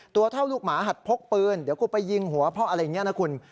ตัวเท่าลูกหมาหัดพกปืนเดี๋ยวกูไปยิงหัวพ่ออะไรอย่างนี้นะคุณ